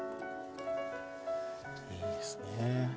いいですね。